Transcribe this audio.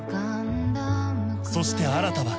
そして新は